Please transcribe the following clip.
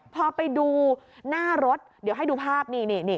พอไปดูหน้ารถเดี๋ยวให้ดูภาพนี่